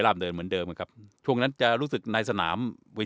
เดินเหมือนเดิมครับช่วงนั้นจะรู้สึกในสนาม